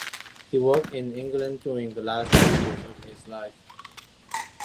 He worked in England during the last two years of his life.